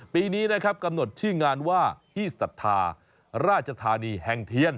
ปีนี้นะครับกำหนดชื่องานว่าที่ศรัทธาราชธานีแห่งเทียน